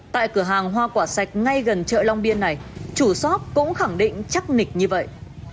tại cửa hàng hoa quả sạch ngay gần chợ long biên này chủ shop cũng khẳng định chắc nịch như vậy